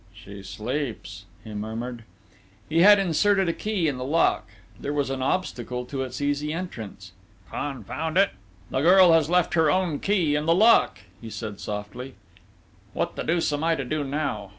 "She sleeps," he murmured. He had inserted a key in the lock: there was an obstacle to its easy entrance. "Confound it! The girl has left her own key in the lock!" he said softly.... "What the deuce am I to do now?